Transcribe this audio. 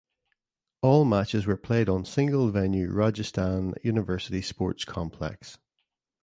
All matches were played on single venue Rajasthan University Sports Complex.